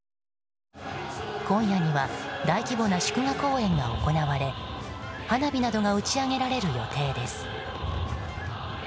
今夜には大規模な祝賀公演が行われ花火などが打ち上げられる予定です。